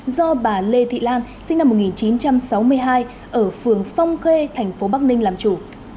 do bà lê thị lan sinh năm một nghìn chín trăm sáu mươi hai ở phường phong khê thành phố bắc ninh làm chủ